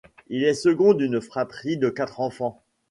Il est le second d'une fratrie de quatre enfants.